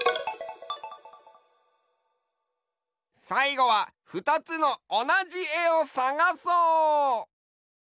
さいごはふたつのおなじえをさがそう！